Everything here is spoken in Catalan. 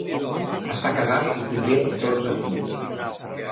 Està casat i tingué dotze fills.